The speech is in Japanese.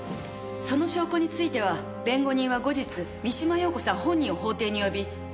その証拠については弁護人は後日三島陽子さん本人を法廷に呼び尋問する予定です。